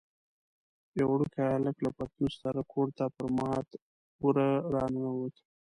یو وړوکی هلکی له پتنوس سره کور ته پر مات وره راننوت.